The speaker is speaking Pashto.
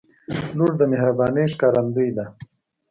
• لور د مهربانۍ ښکارندوی ده.